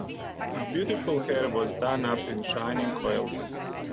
Her beautiful hair was done up in shining coils.